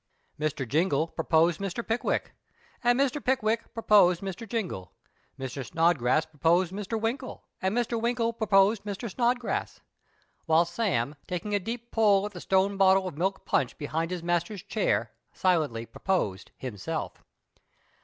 Mr. Jingle proposed Mr. Pickwick ; and Mr. Pick wick proposed Mr. Jingle. Mr. Snodgrass proposed Mr. Winkle ; and Mr. Winkle proi)osod Mr. Snod grass ; while Sam, taking a deep pull at the stone bottle of milk punch behind his master's chair, silently proposed himself.